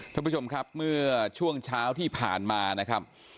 ท่านผู้ชมครับเมื่อช่วงเช้าที่ผ่านมานะครับ